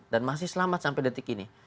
dan masih selamat sampai detik ini